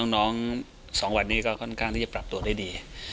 น้อง๒วันนี้ก็ค่อนข้างที่จะปรับตัวได้ดี